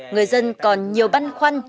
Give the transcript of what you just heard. người dân còn nhiều băn khoăn